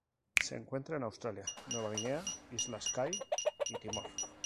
Se encuentra en Australia, Nueva Guinea, islas Kai y Timor.